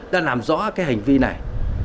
đã làm rõ cái hành vi này